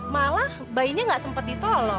malah bayinya gak sempet ditolong